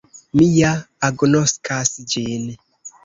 Mi ja agnoskas ĝin.